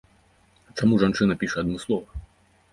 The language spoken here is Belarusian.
Чаму жанчына піша адмыслова?